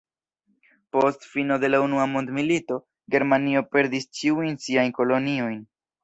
Post fino de la unua mondmilito, Germanio perdis ĉiujn siajn koloniojn.